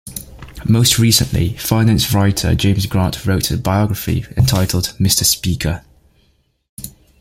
Most recently, finance writer James Grant wrote the biography entitled, Mr. Speaker!